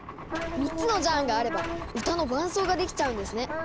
３つのジャーンがあれば歌の伴奏ができちゃうんですね。